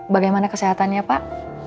bagaimana kesehatannya pak